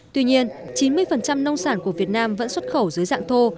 tuy nhiên chín mươi nông sản của việt nam vẫn xuất khẩu dưới dạng thô